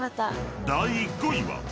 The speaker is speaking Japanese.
［第５位は］